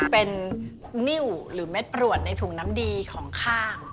เป็นนิ้วหรือเม็ดกรวดในถุงน้ำดีของข้าง